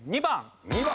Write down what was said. ２番。